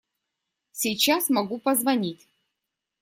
Сейчас могу позвонить.